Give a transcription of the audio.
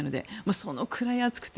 そのくらい暑くて。